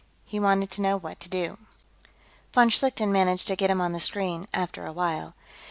He wanted to know what to do. Von Schlichten managed to get him on the screen, after a while.